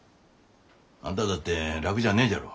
あんただって楽じゃねえじゃろう。